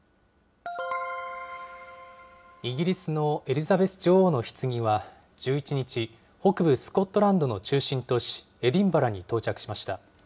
イギリスのエリザベス女王のひつぎは１１日、北部スコットランドの中心都市、エディンバラに到着しました。